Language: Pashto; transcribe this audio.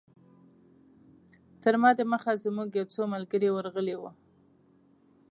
تر ما دمخه زموږ یو څو ملګري ورغلي وو.